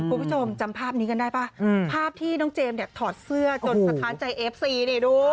คุณผู้ชมจำภาพนี้กันได้ป่ะภาพที่น้องเจมส์เนี่ยถอดเสื้อจนสะท้านใจเอฟซีนี่ดู